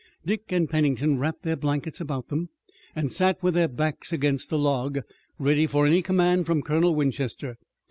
Dick and Pennington wrapped their blankets about them and sat with their backs against a log, ready for any command from Colonel Winchester.